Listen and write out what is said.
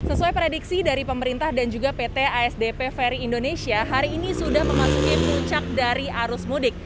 sesuai prediksi dari pemerintah dan juga pt asdp ferry indonesia hari ini sudah memasuki puncak dari arus mudik